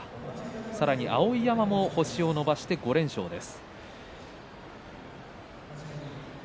さらに碧山星を伸ばして５連勝です。